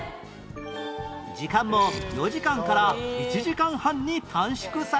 時間も４時間から１時間半に短縮されました